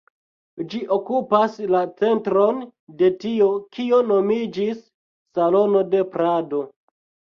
Ĝi okupas la centron de tio kio nomiĝis Salono de Prado.